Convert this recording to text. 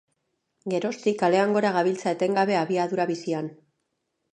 Geroztik kalean gora gabiltza etengabe abiadura bizian